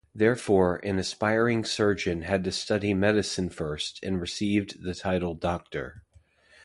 Therefore, an aspiring surgeon had to study medicine first and received the title Doctor.